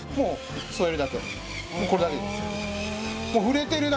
もうこれだけです。